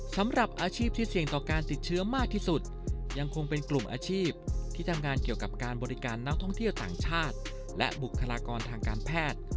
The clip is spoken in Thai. สำหรับอาชีพที่เสี่ยงต่อการติดเชื้อมากที่สุดยังคงเป็นกลุ่มอาชีพที่ทำงานเกี่ยวกับการบริการนักท่องเที่ยวต่างชาติและบุคลากรทางการแพทย์